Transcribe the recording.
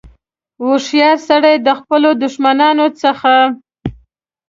هوښیار سړي د خپلو دښمنانو څخه.